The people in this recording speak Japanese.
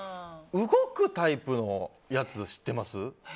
動くタイプのやつ知ってます？